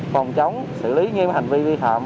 phòng chống xử lý nghiêm hành vi vi phạm